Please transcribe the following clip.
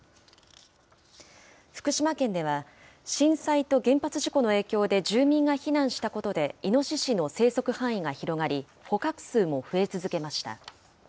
福島県では、震災と原発事故の影響で、住民が避難したことでイノシシの生息範囲が広がり、捕獲数も増え続けました。